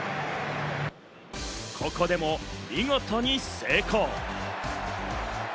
ここでも見事に成功。